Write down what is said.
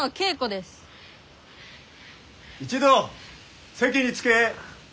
一同席に着け。